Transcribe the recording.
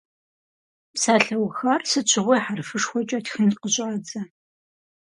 Псалъэухар сыт щыгъуи хьэрфышхуэкӏэ тхын къыщӏадзэ.